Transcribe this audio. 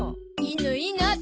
いいのいいの。